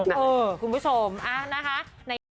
เออคุณผู้ชมอะนะฮะ